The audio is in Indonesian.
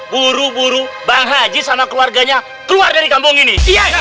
buru buru bang haji sama keluarganya keluar dari kampung ini